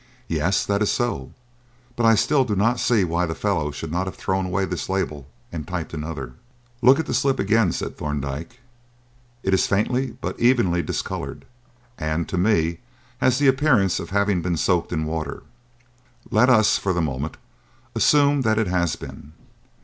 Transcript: "Yes, that is so; but I still do not see why the fellow should not have thrown away this label and typed another." "Look at the slip again," said Thorndyke. "It is faintly but evenly discoloured and, to me, has the appearance of having been soaked in water. Let us, for the moment, assume that it has been.